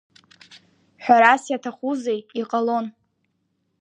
Ҳәарас иаҭахузеи, иҟалон.